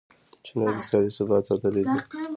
چین اقتصادي ثبات ساتلی دی.